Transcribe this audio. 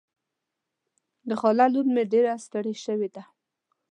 د خاله لور مې ډېره ستړې شوې ده.